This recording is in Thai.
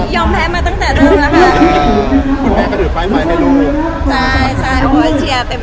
อ๋อย้องแพ้กำลังมาตั้งแต่ครับ